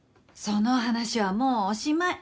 その話はもうおしまい。